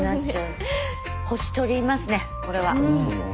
星取りますねこれは。